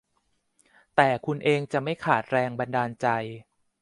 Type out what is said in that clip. แต่คุณเองจะไม่ขาดแรงบันดาลใจ